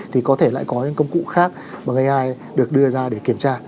thì có thể lại có những công cụ khác mà ai được đưa ra để kiểm tra